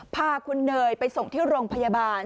พาคุณเนยไปส่งที่โรงพยาบาล